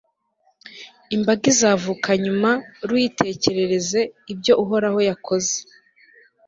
imbaga izavuka nyuma ruyitekerereze ibyo uhoraho yakoze